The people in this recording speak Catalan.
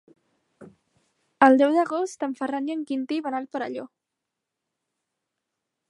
El deu d'agost en Ferran i en Quintí van al Perelló.